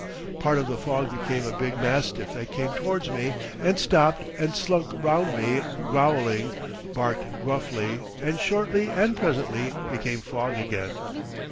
Part of the fog became a big mastiff that came towards me and stopped and slunk round me, growling, barked gruffly, and shortly and presently became fog again.